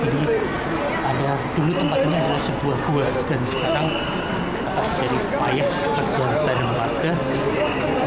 jadi dulu tempatnya adalah sebuah buah dan sekarang atas jari payah pekerjaan barang warga